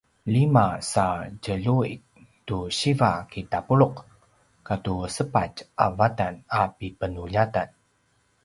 lima sa tjelju’i tu siva kitapulu’ katu sepatj a vatan a pipenuljatan